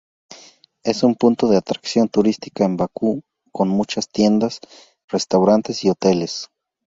Es un punto de atracción turística en Bakú, con muchas tiendas, restaurantes y hoteles.